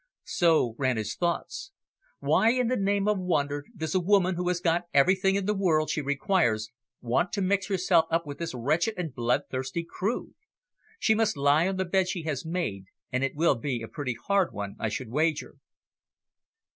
So ran his thoughts. "Why in the name of wonder does a woman who has got everything in the world she requires want to mix herself up with this wretched and bloodthirsty crew? She must lie on the bed she has made, and it will be a pretty hard one, I should wager."